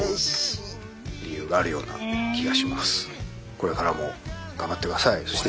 これからも頑張ってくださいって！